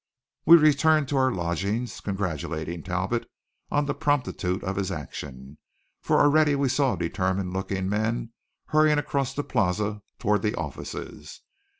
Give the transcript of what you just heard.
We returned to our lodgings, congratulating Talbot on the promptitude of his action, for already we saw determined looking men hurrying across the plaza toward the offices.